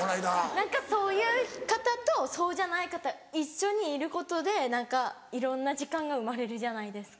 何かそういう方とそうじゃない方一緒にいることでいろんな時間が生まれるじゃないですか。